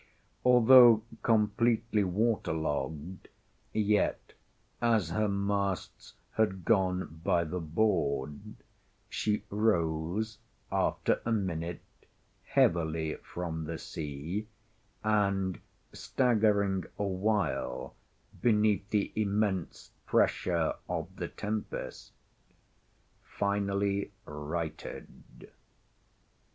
Although completely water logged, yet, as her masts had gone by the board, she rose, after a minute, heavily from the sea, and, staggering awhile beneath the immense pressure of the tempest, finally righted.